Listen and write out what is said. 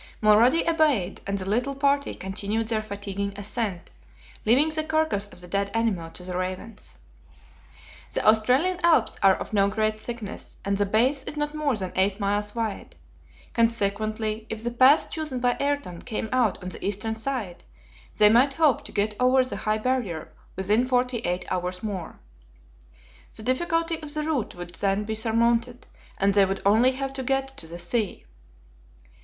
Mulrady obeyed, and the little party continued their fatiguing ascent, leaving the carcass of the dead animal to the ravens. The Australian Alps are of no great thickness, and the base is not more than eight miles wide. Consequently if the pass chosen by Ayrton came out on the eastern side, they might hope to get over the high barrier within forty eight hours more. The difficulty of the route would then be surmounted, and they would only have to get to the sea.